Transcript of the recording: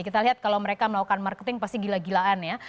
kita lihat kalau mereka melakukan marketing pasti gila gilaan ya